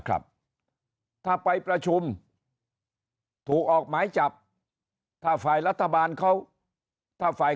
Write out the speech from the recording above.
ครับถ้าไปประชุมถูกออกหมายจับถ้าฝ่ายรัฐบาลเขาถ้าฝ่าย